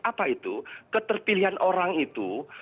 apa itu keterpilihan orang itu